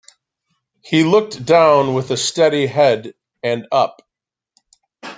He looked down with a steady head, and up.